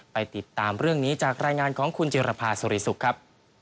ไปติดตามเรื่องนี้จากรายงานของคุณจิรภาสุริสุขครับ